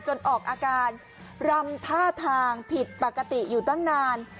ออกอาการรำท่าทางผิดปกติอยู่ตั้งนาน